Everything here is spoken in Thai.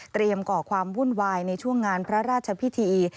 ก่อความวุ่นวายในช่วงงานพระราชพิธี